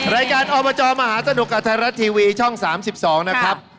รายการอบจมหาสนุกกับไทยรัฐทีวีช่อง๓๒นะครับ